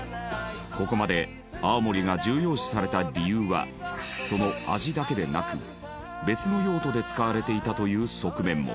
ここまで泡盛が重要視された理由はその味だけでなく別の用途で使われていたという側面も。